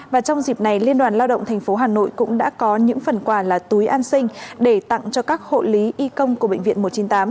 và trong dịp này liên đoàn lao động tp hà nội cũng đã có những phần quà là túi an sinh để tặng cho các hộ lý y công của bệnh viện một trăm chín mươi tám